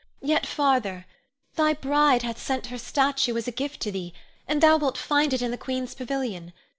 Yet, farther: thy bride hath sent her statue as a gift to thee, and thou wilt find it in the queen's pavilion.